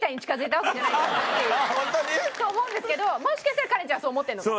本当に？と思うんですけどもしかしたらカレンちゃんはそう思ってるのかも。